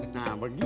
nah begitu dong